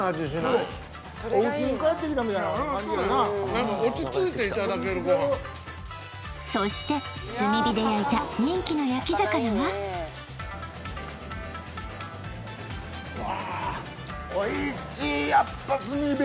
何か落ち着いていただけるごはんそして炭火で焼いた人気の焼き魚はうわーっおいしいやっぱ炭火